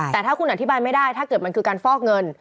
แต่ถ้าคุณอธิบายไม่ได้ถ้าเกิดมันคือการฟอกเงิน